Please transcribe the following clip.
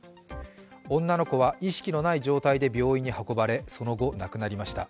女の子は意識のない状態で病院に運ばれその後、亡くなりました。